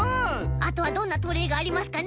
あとはどんなトレーがありますかね？